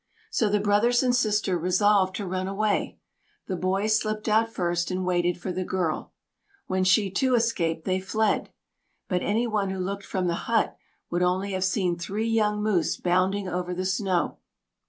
So the brothers and sister resolved to run away; the boys slipped out first, and waited for the girl. When she, too, escaped, they fled; but any one who looked from the hut would only have seen three young moose bounding over the snow.